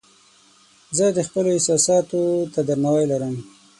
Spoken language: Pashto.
زه د خپلو دوستانو احساساتو ته درناوی لرم.